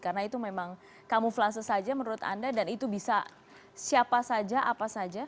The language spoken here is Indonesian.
karena itu memang kamuflase saja menurut anda dan itu bisa siapa saja apa saja